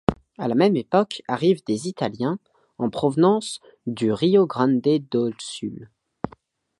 À la même époque, arrivent des italiens en provenance du Rio Grande do Sul.